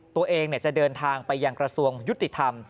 ตัวเองจะเดินทางไปยังกระทรวงยุติธรรม